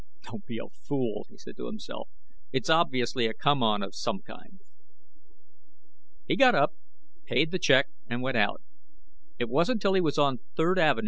"Don't be a fool," he said to himself. "It's obviously a come on of some kind." He got up, paid the check and went out. It wasn't till he was on Third Ave.